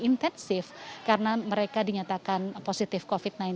intensif karena mereka dinyatakan positif covid sembilan belas